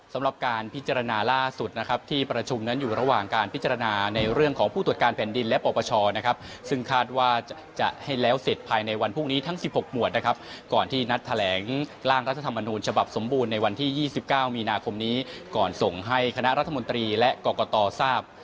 สำหรับการพิจารณาล่าสุดนะครับที่ประชุมนั้นอยู่ระหว่างการพิจารณาในเรื่องของผู้ตรวจการแผ่นดินและปปชนะครับซึ่งคาดว่าจะให้แล้วเสร็จภายในวันพรุ่งนี้ทั้ง๑๖หมวดนะครับก่อนที่นัดแถลงร่างรัฐธรรมนูญฉบับสมบูรณ์ในวันที่๒๙มีนาคมนี้ก่อนส่งให้คณะรัฐมนตรีและกรกตทราบ